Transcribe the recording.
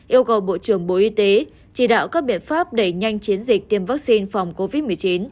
yêu cầu bộ trưởng bộ y tế chỉ đạo các biện pháp đẩy nhanh chiến dịch tiêm vaccine phòng covid một mươi chín